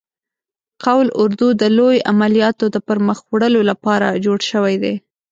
قول اردو د لوی عملیاتو د پرمخ وړلو لپاره جوړ شوی دی.